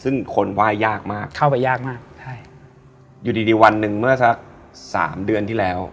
ซึ่งคนไหว้ยากมากเข้าไปยากมากใช่อยู่ดีดีวันหนึ่งเมื่อสักสามเดือนที่แล้ว